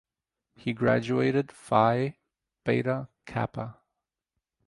He graduated Phi Beta Kappa.